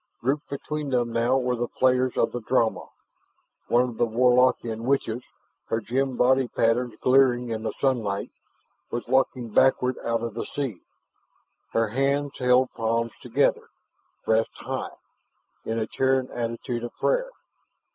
Grouped between them now were the players of the drama. One of the Warlockian witches, her gem body patterns glittering in the sunlight, was walking backward out of the sea, her hands held palms together, breast high, in a Terran attitude of prayer.